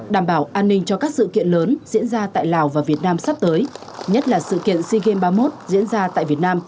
đảm bảo an ninh cho các sự kiện lớn diễn ra tại lào và việt nam sắp tới nhất là sự kiện sea games ba mươi một diễn ra tại việt nam